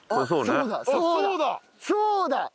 そうだ！